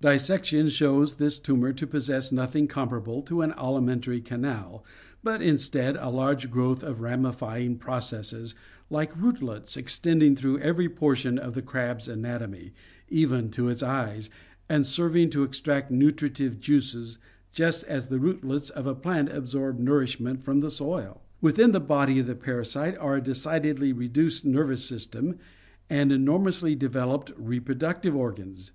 Dissection shows this tumor to possess nothing comparable to an alimentary canal, but in its stead a large growth of ramifying processes, like rootlets, extending through every portion of the crab's anatomy, even to its eyes, and serving to extract nutritive juices just as the rootlets of a plant absorb nourishment from the soil. Within the body of the parasite are a decidedly reduced nervous system and enor mously developed reproductive organs.